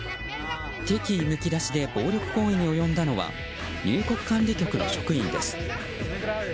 敵意むき出しで暴力行為に及んだのは入国管理局の職員です。